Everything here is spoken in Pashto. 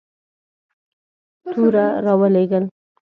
توره را ولېږل.